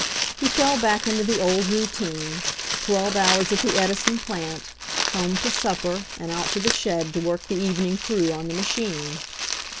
He fell back into the old routine — twelve hours at the Edison plant, home to supper and out to the shed to work the evening through on the ma chine.